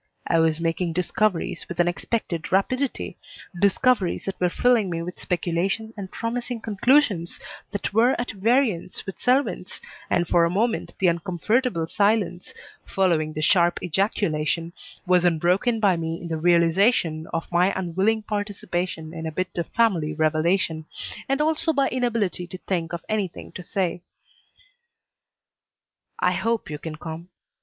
I was making discoveries with unexpected rapidity, discoveries that were filling me with speculation and promising conclusions that were at variance with Selwyn's, and for a moment the uncomfortable silence, following the sharp ejaculation, was unbroken by me in the realization of my unwilling participation in a bit of family revelation, and also by inability to think of anything to say. "I hope you can come."